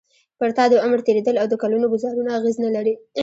پر تا د عمر تېرېدل او د کلونو ګوزارونه اغېز نه لري.